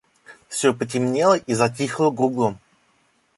Все потемнело и затихло кругом.